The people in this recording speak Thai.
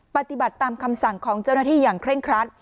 ปฏิบัติตามคำสั่งของเจ้าหน้าที่อย่างเคร่งครัด